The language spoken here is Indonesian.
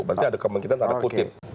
berarti ada kemungkinan tanda kutip